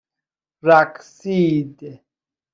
رقصید